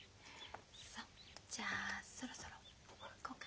さじゃあそろそろ行こうか。